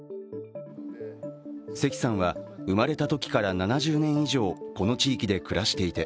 関さんは、生まれたときから７０年以上、この地域で暮らしていて